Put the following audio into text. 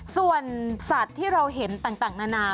ส่วนสัตว์ที่เราเห็นต่างนานา